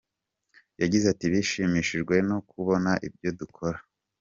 Yagize ati “Bashimishijwe no kubona ibyo dukora.